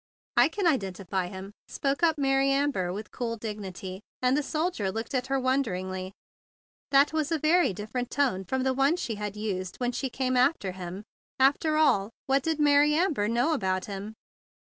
"I can identify him," spoke up Mary Amber with cool dignity; and the sol¬ dier looked at her wonderingly. That was a very different tone from the one she had used when she came after him. After all, what did Mary Amber know about him?